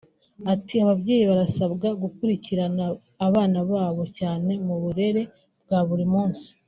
Ati “Ababyeyi barasabwa gukurikirana abana babo cyane mu burere bwa buri munsi